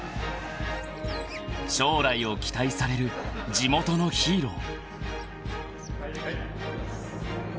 ［将来を期待される地元のヒーロー］